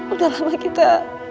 udah lama kita